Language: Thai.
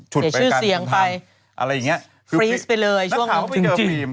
ฉุดไปกันคนทำอะไรอย่างนี้คือฟิล์มนักฐานเขาไปเจอฟิล์ม